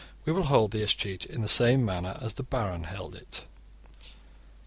We will hold the 'escheat' in the same manner as the baron held it.